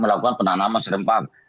melakukan penanaman serempak